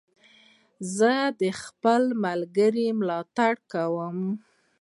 زه د خپلو ملګرو ملاتړ کوم.